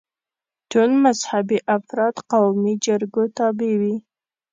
ټول مذهبي افراد قومي جرګو تابع وي.